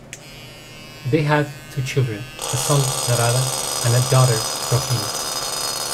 They had two children, a son, Narada, and daughter, Rohini.